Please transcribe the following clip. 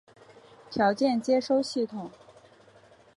条件接收系统。